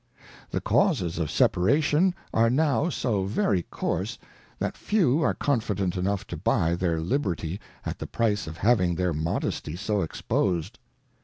The causes of Separation are now so very coarse, that few are confident enough to buy their Liberty at the pricle of having their Modesty so exposed.